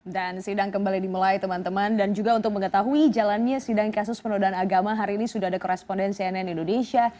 dan sidang kembali dimulai teman teman dan juga untuk mengetahui jalannya sidang kasus penodaan agama hari ini sudah ada koresponden cnn indonesia